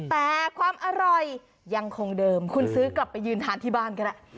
แต่ความอร่อยยังคงเดิมคุณซื้อกลับไปยืนทานที่บ้านก็ได้